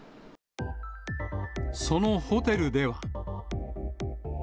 そのホテルでは。